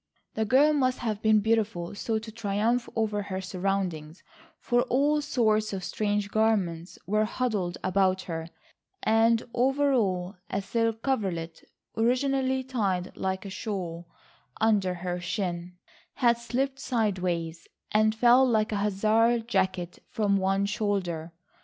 The girl must have been beautiful so to triumph over her surroundings, for all sorts of strange garments were huddled about her, and over all a silk coverlet originally tied like a shawl under her chin, had slipped sideways, and fell like a Hussar's jacket from one shoulder.